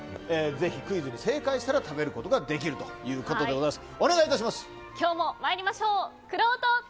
ぜひ、クイズに正解したら食べることができるということです。